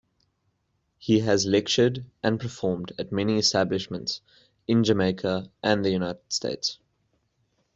He has lectured and performed at many establishments in Jamaica and the United States.